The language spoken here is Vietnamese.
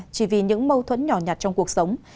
chỉ vì những mâu thuẫn nhỏ nhặt trong cuộc sống